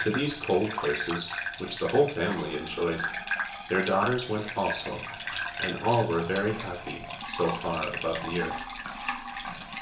To these cold places, which the whole family enjoyed, their daughters went also and all were very happy so far above the earth.